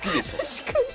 確かに。